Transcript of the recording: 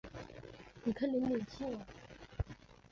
以我的能力没办法